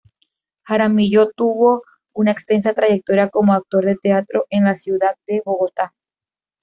Jaramillo tuvo una extensa trayectoria como actor de teatro en la ciudad de Bogotá.